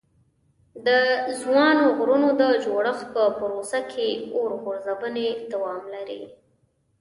د ځوانو غرونو د جوړښت په پروسه کې اور غورځونې دوام لري.